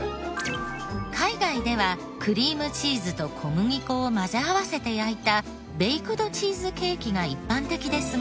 海外ではクリームチーズと小麦粉を混ぜ合わせて焼いたベイクドチーズケーキが一般的ですが。